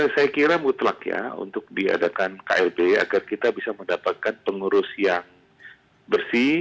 saya kira mutlak ya untuk diadakan klb agar kita bisa mendapatkan pengurus yang bersih